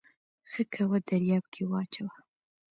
ښه کوه دریاب کې واچوه